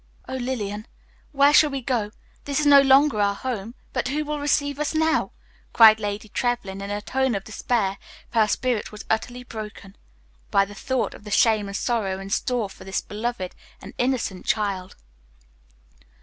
"Oh, Lillian, where shall we go? This is no longer our home, but who will receive us now?" cried Lady Trevlyn, in a tone of despair, for her spirit was utterly broken by the thought of the shame and sorrow in store for this beloved and innocent child.